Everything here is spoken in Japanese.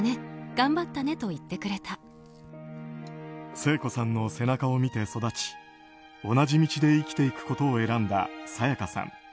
聖子さんの背中を見て育ち同じ道で生きていくことを選んだ沙也加さん。